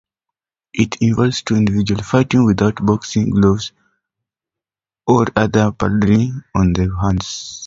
It involves two individuals fighting without boxing gloves or other padding on their hands.